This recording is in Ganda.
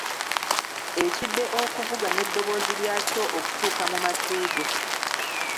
Ekide okuvuga n'eddobozi lyakyo okutuuka mu matu go.